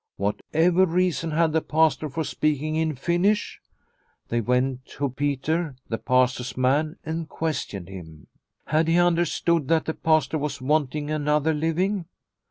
Whatever reason had the Pastor for speaking in Finnish ? They went to Peter, the Pastor's man, and questioned him. Had he understood that the Pastor was wanting another living